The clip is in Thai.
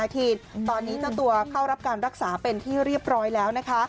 ตอนนี้เจ้าตัวเข้ารับการรักษาเป็นที่เรียบร้อยแล้วนะคะ